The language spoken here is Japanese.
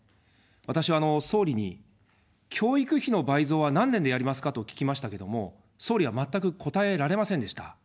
私は総理に、教育費の倍増は何年でやりますかと聞きましたけども、総理は全く答えられませんでした。